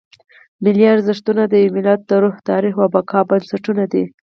ملي ارزښتونه د یو ملت د روح، تاریخ او بقا بنسټونه دي.